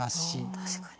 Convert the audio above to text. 確かに。